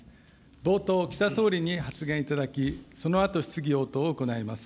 冒頭、岸田総理に発言いただき、そのあと質疑応答を行います。